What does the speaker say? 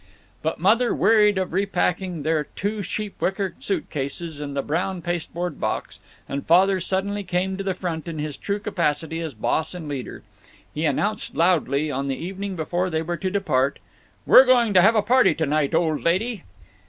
But Mother wearied of repacking their two cheap wicker suit cases and the brown pasteboard box, and Father suddenly came to the front in his true capacity as boss and leader. He announced, loudly, on the evening before they were to depart, "We're going to have a party to night, old lady."